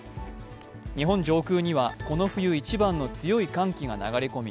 日本上空にはこの冬一番の強い寒気が流れ込み